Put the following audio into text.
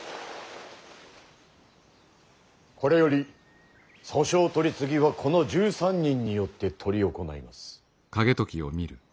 これより訴訟取次はこの１３人によって執り行います。